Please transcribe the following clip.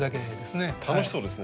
楽しそうですね。